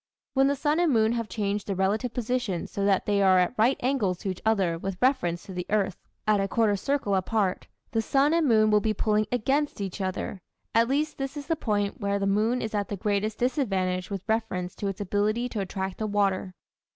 When the sun and moon have changed their relative positions so that they are at right angles to each other with reference to the earth at a quarter circle apart the sun and moon will be pulling against each other; at least this is the point where the moon is at the greatest disadvantage with reference to its ability to attract the water.